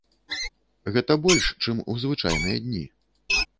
Гэта больш, чым у звычайныя дні.